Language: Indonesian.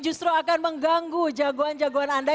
justru akan mengganggu jagoan jagoan anda